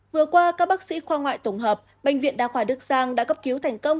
vừa qua các bác sĩ khoa ngoại tổng hợp bệnh viện đa khoa đức giang đã cấp cứu thành công